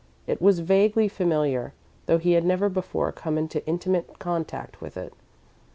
It was vaguely familiar, though he had never before come into intimate contact with it.